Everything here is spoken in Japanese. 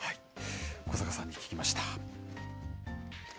小坂さんに聞きました。